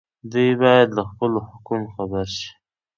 دوی باید له خپلو حقونو خبر شي.